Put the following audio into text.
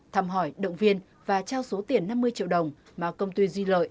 thăm hỏi động viên và trao số tiền năm mươi triệu đồng mà công ty duy lợi